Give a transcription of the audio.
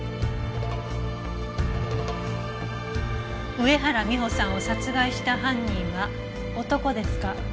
上原美帆さんを殺害した犯人は男ですか。